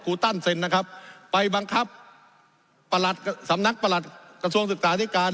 ตันเซ็นนะครับไปบังคับประหลัดสำนักประหลัดกระทรวงศึกษาธิการ